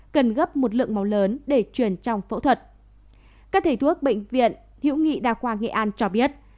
các thầy thuốc bệnh viện hữu nghị đa khoa nghệ an cho biết